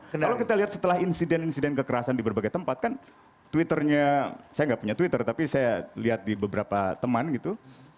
kalau kita lihat setelah insiden insiden kekerasan di berbagai tempat kan twitternya saya nggak punya twitter tapi saya lihat di beberapa teman gitu